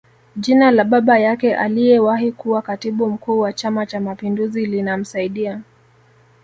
Jina la baba yake aliyewahi kuwa Katibu Mkuu wa Chama Cha mapinduzi linamsaidia